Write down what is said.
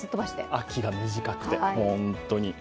秋が短くて、本当に。